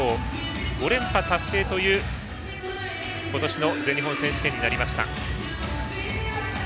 ５連覇達成という今年の全日本選手権になりました。